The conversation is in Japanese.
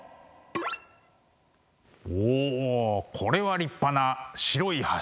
おおこれは立派な白い柱。